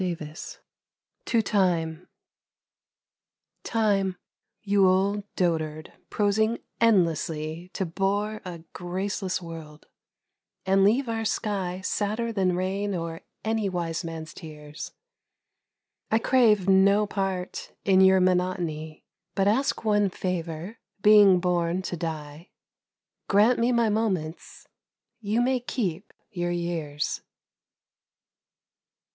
108 TO TIME TIME ! you old dotard prosing endlessly To bore a graceless world, and leave our sky Sadder than rain or any wise man's tears, I crave no part in your monotony, But ask one favour, being born to die, Grant me my moments, you may keep your years.